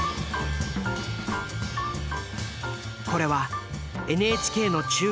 これはＮＨＫの中継